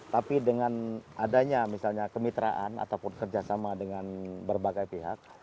tapi dengan adanya misalnya kemitraan ataupun kerjasama dengan berbagai pihak